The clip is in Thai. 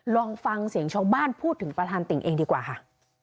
ลองฟังเสียงชาวบ้านพูดถึงประธานติ่งเองดีกว่าค่ะ